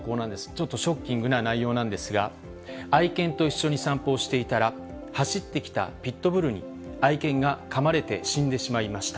ちょっとショッキングな内容なんですが、愛犬と一緒に散歩をしていたら、走ってきたピットブルに、愛犬がかまれて死んでしまいました。